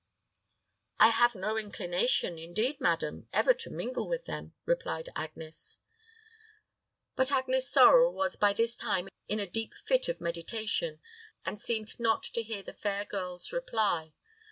"I have no inclination, indeed, madam, ever to mingle with them," replied Agnes. But Agnes Sorel was by this time in a deep fit of meditation, and seemed not to hear the fair girl's reply.